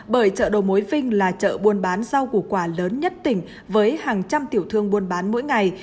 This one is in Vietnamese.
bởi chợ đầu mối vinh là chợ buôn bán rau củ quả lớn nhất tỉnh với hàng trăm tiểu thương buôn bán mỗi ngày